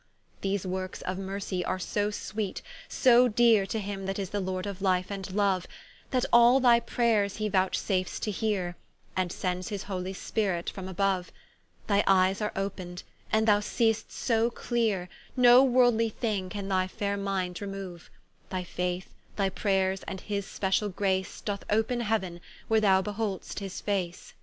These workes of mercy are so sweet, so deare To him that is the Lord of Life and Loue, That all thy prayers he vouchsafes to heare, And sends his holy Spirit from aboue; Thy eyes are op'ned, and thou seest so cleare, No worldly thing can thy faire mind remoue; Thy faith, thy prayers, and his speciall grace Doth open Heau'n, where thou behold'st his face.